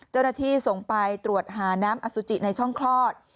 เจ้าหน้าที่ส่งไปตรวจหาน้ำอสุจิในช่องคลอด